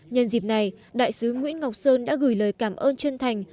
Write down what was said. nhân dịp này đại sứ nguyễn ngọc sơn đã gửi lời cảm ơn chân thành